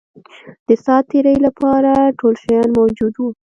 د سات تېري لپاره ټول شیان موجود وه.